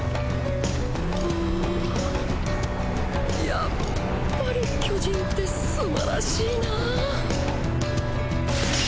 やっぱり巨人って素晴らしいな。